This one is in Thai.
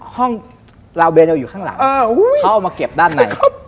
ห้องลาวเบลอยู่ข้างหลังเขาเอามาเก็บด้านใน